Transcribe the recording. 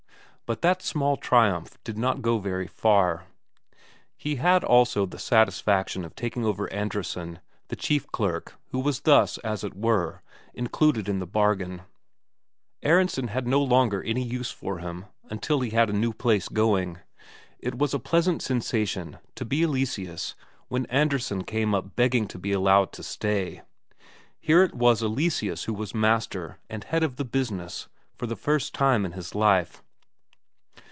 But that small triumph did not go very far. He had also the satisfaction of taking over Andresen, the chief clerk, who was thus, as it were, included in the bargain. Aronsen had no longer any use for him, until he had a new place going. It was a pleasant sensation to be Eleseus, when Andresen came up begging to be allowed to stay; here it was Eleseus who was master and head of the business for the first time in his life.